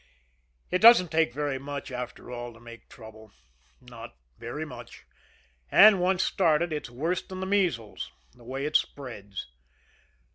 It doesn't take very much, after all, to make trouble, not very much; and, once started, it's worse than the measles the way it spreads.